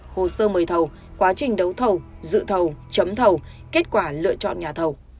hồ sơ mời thầu quá trình đấu thầu dự thầu chấm thầu kết quả lựa chọn nhà thầu